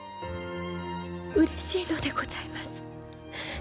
うれしいのでございます。